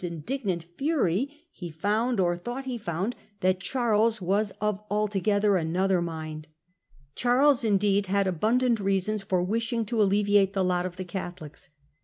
indignant fury, he found, or thought he found, that Charles was of altogether another mind. Charles indeed had abundant reasons for wishing to alleviate the lot of the Catholics.